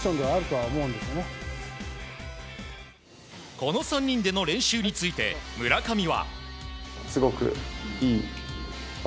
この３人での練習について村上は。